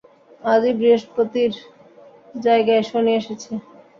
আজই বৃহস্পতির জায়গায় শনি এসেছে।